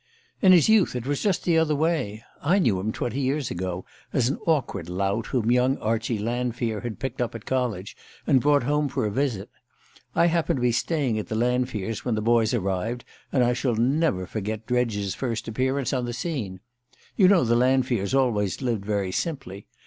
In his youth it was just the other way. I knew him twenty years ago, as an awkward lout whom young Archie Lanfear had picked up at college, and brought home for a visit. I happened to be staying at the Lanfears' when the boys arrived, and I shall never forget Dredge's first appearance on the scene. You know the Lanfears always lived very simply.